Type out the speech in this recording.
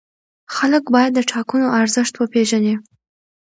خلک باید د ټاکنو ارزښت وپېژني